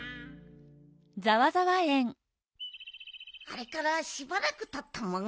あれからしばらくたったモグ。